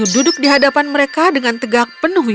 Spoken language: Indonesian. dan saya akan menangkapmu dengan perang